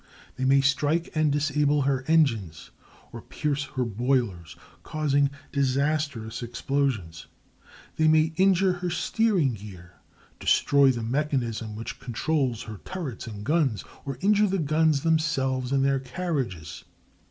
They may strike and disable her engines, or pierce her boilers, causing disastrous explosions. They may injure her steering gear, destroy the mechanism which controls her turrets and guns, or injure the guns themselves and their carriages.